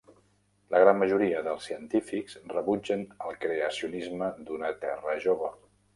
La gran majoria dels científics rebutgen el creacionisme d'una Terra jove.